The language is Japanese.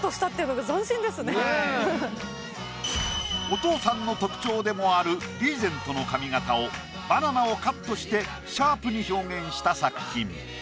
お父さんの特徴でもあるリーゼントの髪型をバナナをカットしてシャープに表現した作品。